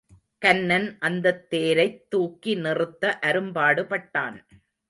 கன்னன் அந்தத் தேரைத் துக்கி நிறுத்த அரும்பாடு பட்டான்.